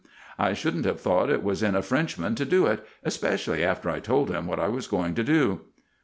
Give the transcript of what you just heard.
I shouldn't have thought it was in a Frenchman to do it, especially after I told him what I was going to do."